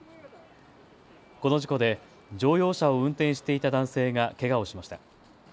この事故で乗用車を運転していた男性がけがをしました。